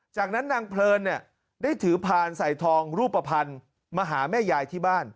จากนั้นนางเพลินเนี่ยได้ถือพานใส่ทองรูปภัณฑ์มาหาแม่ยายที่บ้าน